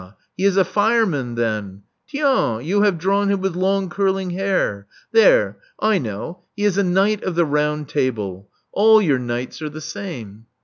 He is a fireman then. Tiens! you have drawn him with long curling hair! There — I know — he is a knight of the round table : all your knights 394 Love Among the Artists are the same.